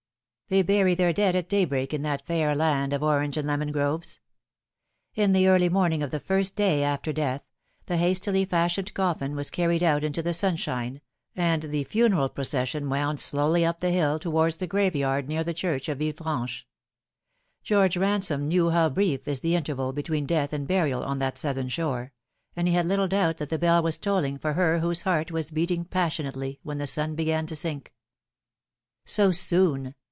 They bury their dead at daybreak in that fair land of orange and lemon groves. In the early morning of the first day after death, the hastily fashioned coffin was carried out into the sun shine, and the funeral procession wound slowly up the hill towards the graveyard near the church of Villefranche. George Ransome knew how brief is the interval between death and burial on that southern shore, and he had little doubt that the bell was tolling for her whose heart was beating passionately when the sun began to sink. So soon